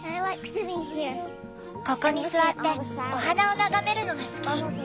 ここに座ってお花を眺めるのが好き。